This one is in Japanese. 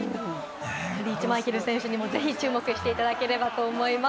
リーチ・マイケル選手にぜひ注目してもらいたいと思います。